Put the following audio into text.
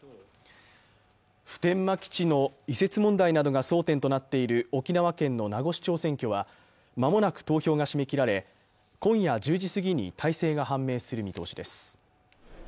普天間基地の移設問題などが争点となっている沖縄県の名護市長選挙は間もなく投票が締め切られ、今夜１０時すぎに大勢が判明する見通しです。